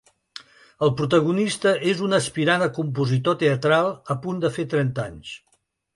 El protagonista és un aspirant a compositor teatral, a punt de fer trenta anys.